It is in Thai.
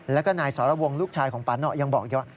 และก็นายสารวงศ์ลูกชายของปานอยังบอกเยอะ